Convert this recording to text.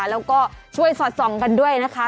แล้วก็ช่วยสอดส่องกันด้วยนะคะ